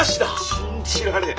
信じられん。